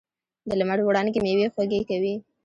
د لمر وړانګې میوې خوږې کوي.